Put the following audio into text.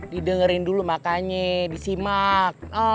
didengerin dulu makanya disimak